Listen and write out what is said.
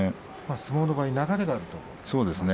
相撲の場合流れがあると言いますね。